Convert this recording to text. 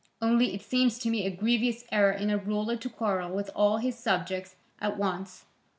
Only it seems to me a grievous error in a ruler to quarrel with all his subjects at once.